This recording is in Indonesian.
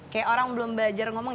kayak orang belum belajar ngomong